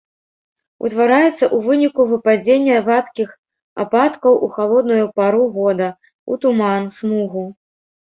Утвараецца ў выніку выпадзення вадкіх ападкаў у халодную пару года, у туман, смугу.